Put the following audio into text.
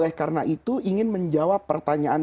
oleh karena itu ingin menjawab pertanyaan